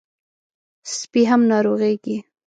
سپي هم ناروغېږي.